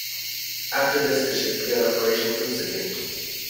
After this, the ship began operation from Sydney.